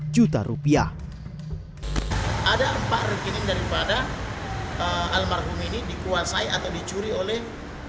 juta rupiah ada empat rekening daripada almarhum ini dikuasai atau dicuri oleh